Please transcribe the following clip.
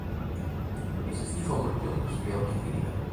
Das ist die Formulierung, nicht mehr und nicht weniger.